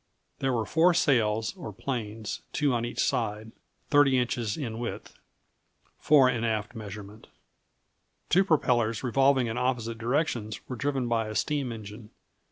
There were 4 sails or planes, 2 on each side, 30 inches in width (fore and aft measurement). Two propellers revolving in opposite directions were driven by a steam engine.